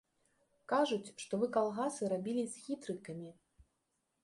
Кажуць, што вы калгасы рабілі з хітрыкамі.